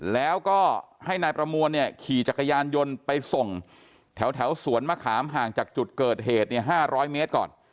แล้วก็ให้นายประมวลเนี่ยขี่จักรยานยนต์ไปส่งแถวสวนมะขามห่างจากจุดเกิดเหตุ๕๐๐เมตรก่อน